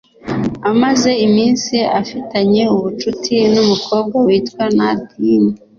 Amaze iminsi afitanye ubucuti n’umukobwa witwa Nadine